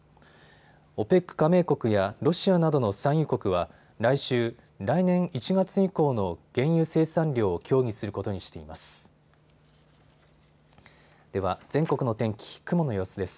ＯＰＥＣ加盟国やロシアなどの産油国は来週、来年１月以降の原油生産量を協議することにしています。